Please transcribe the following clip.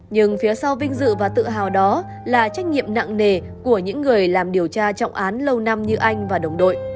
nhưng phía sau vinh dự và tự hào đó là trách nhiệm nặng nề của những người làm điều tra trọng án lâu năm như anh và đồng đội